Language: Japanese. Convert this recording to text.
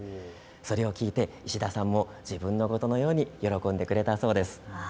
それを聞いて石田さんも自分のことのように喜んでくれたそうです。